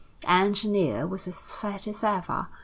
The engineer was as fat as ever.